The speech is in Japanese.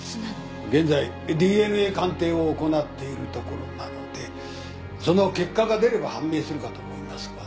現在ＤＮＡ鑑定を行っているところなのでその結果が出れば判明するかと思いますが。